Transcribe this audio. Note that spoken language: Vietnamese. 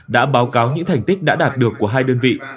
đã báo cáo những thành tích đã đạt được của hai đơn vị